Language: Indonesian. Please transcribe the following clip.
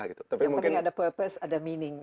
yang penting ada purpose ada meaning